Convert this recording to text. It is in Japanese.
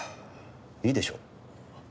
いいでしょう。